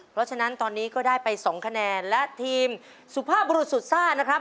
เพราะฉะนั้นตอนนี้ก็ได้ไป๒คะแนนและทีมสุภาพบรุษสุดซ่านะครับ